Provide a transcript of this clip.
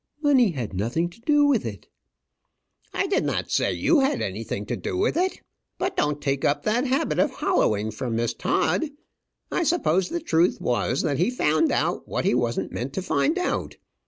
"Money had nothing to do with it." "I did not say you had anything to do with it. But don't take up that habit of holloing from Miss Todd. I suppose the truth was that he found out what he wasn't meant to find out.